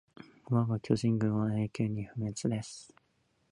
わが巨人軍は永久に不滅です